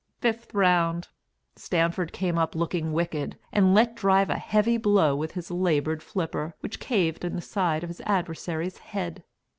Fifth Round. Stanford came up looking wicked, and let drive a heavy blow with his larboard flipper which caved in the side of his adversary's head.